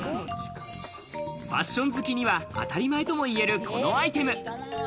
ファッション好きには当たり前ともいえるこのアイテム。